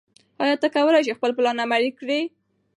ایا ته کولای شې خپل پلان عملي کړې؟